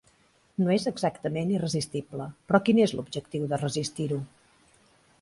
No és exactament irresistible, però quin és l'objectiu de resistir-ho?